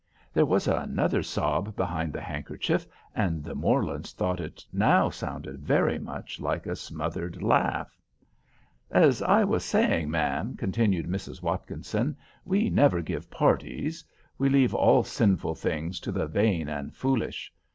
There was another sob behind the handkerchief, and the Morlands thought it now sounded very much like a smothered laugh. "As I was saying, ma'am," continued Mrs. Watkinson, "we never give parties. We leave all sinful things to the vain and foolish.